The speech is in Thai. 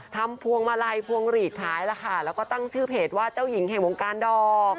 พวงมาลัยพวงหลีดขายแล้วค่ะแล้วก็ตั้งชื่อเพจว่าเจ้าหญิงแห่งวงการดอก